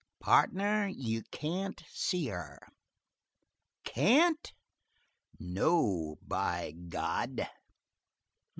"Partner, you can't see her." "Can't?" "No, by God!"